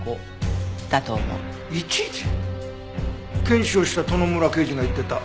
検視をした殿村刑事が言ってた。